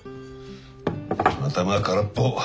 頭空っぽ。